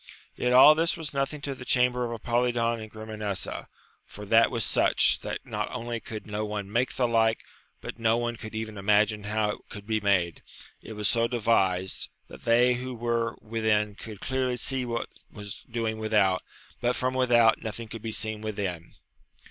Yet all this was nothing to the chamber of Apolidon and Grimanesa, for that was such, that not only could no one make the like, but no one could even imagine how it could be made ; it was so devised, that they who were within could clearly see what was doing without, but from withou' 262 AMADIS OF GAUL. nothing could be seen within.